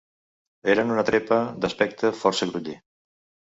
Eren una trepa d'aspecte força groller